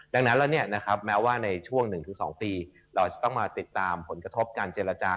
ดังนั้นเราเนี่ยนะครับแม้ว่าในช่วง๑๒ปีเราจะต้องมาติดตามผลกระทบการเจรจา